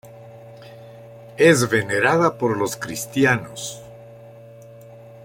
Es venerada por los cristianos.